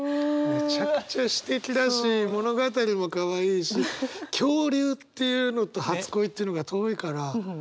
めちゃくちゃすてきだし物語もかわいいし「恐竜」っていうのと「初恋」っていうのが遠いからＬＯＶＥ